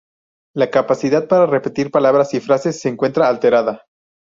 La capacidad para repetir palabras y frases se encuentra alterada.